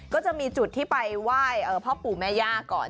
ก็จะมีจุดที่ไปไหว้พ่อปู่แม่ย่าก่อน